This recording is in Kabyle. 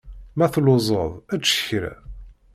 Ma telluẓeḍ, ečč kra.